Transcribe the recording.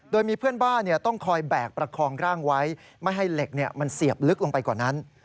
โดยมีเพื่อนบ้านต้องคอยแบกประคองร่างไว้ไม่ให้เหล็กมันเสียบลึกลงไปกว่านั้น